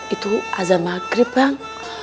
itu azam maghrib bang